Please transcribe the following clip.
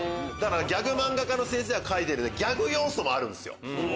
ギャグ漫画家が描いてるんでギャグ要素もあるんですよ。